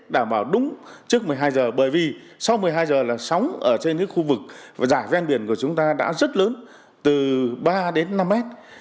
đảm bảo đúng trước một mươi hai giờ bởi vì sau một mươi hai giờ là sóng ở trên những khu vực và ven biển của chúng ta đã rất lớn từ ba đến năm mét